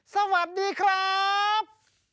สวัสดีครับ